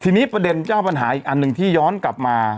ทีนี้ประเด็นเจ้าปัญหาอีกอันหนึ่งที่ย้อนกลับมา